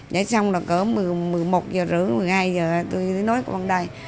nói xong rồi cỡ một mươi một giờ rưỡi một mươi hai giờ tôi nói con đây